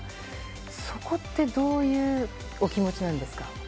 そこってどういうお気持ちなんですか？